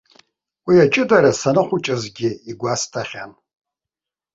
Уи аҷыдара саныхәыҷызгьы игәасҭахьан.